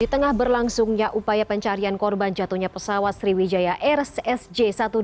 di tengah berlangsungnya upaya pencarian korban jatuhnya pesawat sriwijaya rs sj satu ratus delapan puluh